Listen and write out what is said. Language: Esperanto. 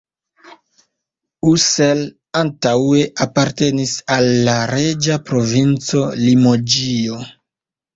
Ussel antaŭe apartenis al la reĝa provinco Limoĝio.